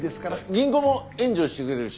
銀行も援助してくれるし。